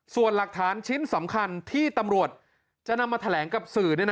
ส่วนหลักฐานชิ้นสำคัญที่ตำรวจจะนำมาแถลงกับสื่อ